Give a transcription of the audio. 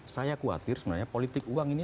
saya khawatir sebenarnya politik uang ini